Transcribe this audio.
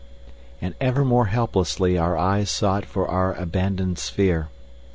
And ever more helplessly our eyes sought for our abandoned sphere.